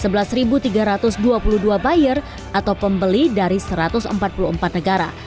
ada sebelas tiga ratus dua puluh dua buyer atau pembeli dari satu ratus empat puluh empat negara